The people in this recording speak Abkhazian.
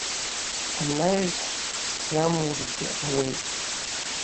Анаҩс исзамургьы ауеит.